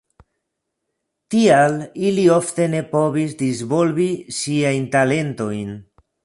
Tial ili ofte ne povis disvolvi siajn talentojn.